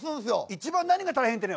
一番何が大変ってね